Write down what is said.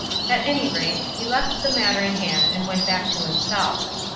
At any rate, he left the matter in hand and went back to himself.